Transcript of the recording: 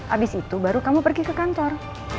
abis itu baru kamu pergi ke kantor